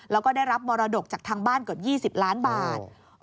แล้วก็ได้รับมรดกจากทางบ้านเกือบ๒๐ล้านบาท